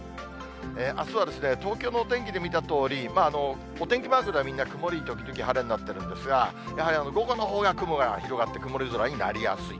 あすは東京のお天気で見たとおり、お天気マークではみんな曇り時々晴れになっているんですが、やはり午後のほうが雲が広がって、曇り空になりやすい。